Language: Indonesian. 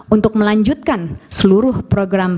untuk melanjutkan seluruh program